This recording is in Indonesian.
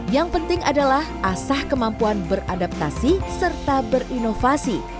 yang penting adalah asah kemampuan beradaptasi serta berinovasi